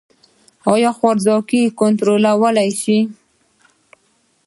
آیا خوارځواکي کنټرول شوې؟